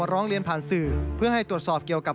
ทำให้เกิดปัชฎพลลั่นธมเหลืองผู้สื่อข่าวไทยรัฐทีวีครับ